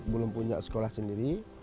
belum punya sekolah sendiri